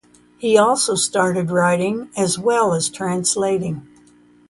He also started writing as well as translating.